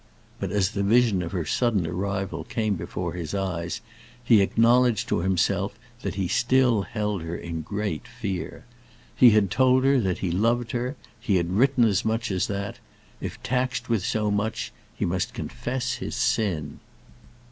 But as the vision of her sudden arrival came before his eyes, he acknowledged to himself that he still held her in great fear. He had told her that he loved her. He had written as much as that. If taxed with so much, he must confess his sin.